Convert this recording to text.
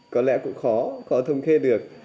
có lẽ cũng khó khó thông kê được